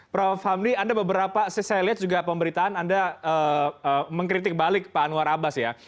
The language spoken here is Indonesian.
prof hamdi saya lihat beberapa pemberitaan anda mengkritik balik pak anwar abbas ya